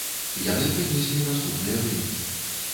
Яны прынеслі наступныя вынікі.